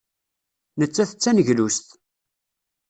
Nettat d taneglust.